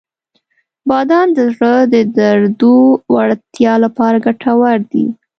• بادام د زړه د دردو وړتیا لپاره ګټور دي.